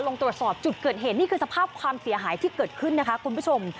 ลงตรวจสอบจุดเกิดเหตุนี่คือสภาพความเสียหายที่เกิดขึ้นนะคะคุณผู้ชม